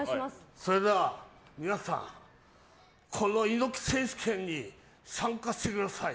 それでは、皆さんこの猪木選手権に参加してください。